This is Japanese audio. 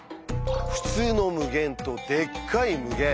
「ふつうの無限」と「でっかい無限」